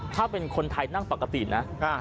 ถ้าเป็นคนไทยนั่งปกตินะ